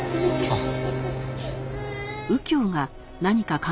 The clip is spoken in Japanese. あっ。